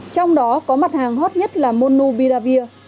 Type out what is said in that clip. trong đó có mặt hàng hot nhất là monubiravir